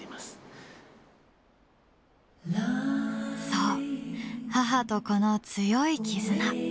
そう母と子の強い絆。